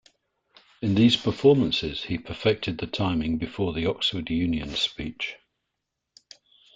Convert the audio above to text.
In these performances he perfected the timing before the Oxford Union speech.